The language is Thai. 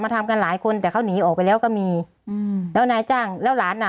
ทำกันหลายคนแต่เขาหนีออกไปแล้วก็มีอืมแล้วนายจ้างแล้วหลานอ่ะ